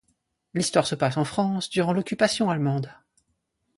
L'histoire se passe en France durant l'Occupation allemande.